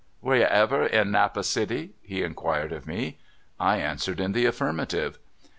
" Was you ever in Napa City?" he inquired of me. I answered in the affirmative.